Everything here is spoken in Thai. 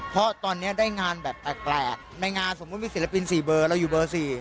เพราะตอนนี้ได้งานแบบแปลกในงานสมมุติมีศิลปิน๔เบอร์เราอยู่เบอร์๔